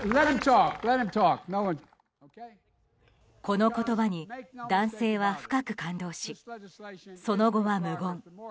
この言葉に男性は深く感動しその後は無言。